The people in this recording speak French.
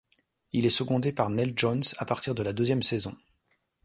Il est secondé par Nell Jones à partir de la deuxième saison.